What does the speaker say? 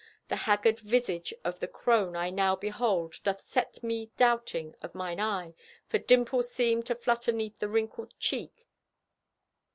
The haggard visage of the crone I now behold, doth set me doubting Of mine eye, for dimples seem To flutter 'neath the wrinkled cheek.